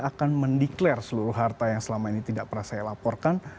akan mendeklarasi seluruh harta yang selama ini tidak pernah saya laporkan